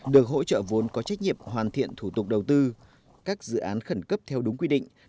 được hỗ trợ vốn có trách nhiệm hoàn thiện thủ tục đầu tư các dự án khẩn cấp theo đúng quy định